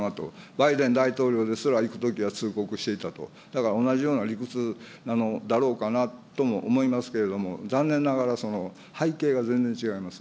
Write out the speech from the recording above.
バイデン大統領ですら、行くときは通告していたと、だから同じような理屈だろうかなとも思いますけれども、残念ながら、背景が全然違います。